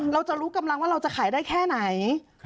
เราจะรู้กำลังว่าเราจะขายได้แค่ไหน